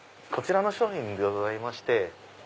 こちらの商品でございまして。